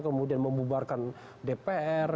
kemudian membubarkan dpr